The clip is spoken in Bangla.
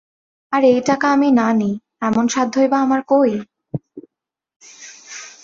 আর এই টাকা আমি না নিই এমন সাধ্যই বা আমার কই?